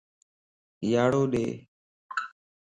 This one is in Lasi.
ياڙو ڏي